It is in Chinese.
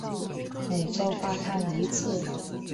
每周发刊一次。